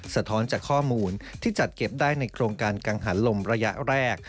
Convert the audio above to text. สะท้อนจากข้อมูลที่จัดเก็บได้ในโครงการกังหันลมระยะแรก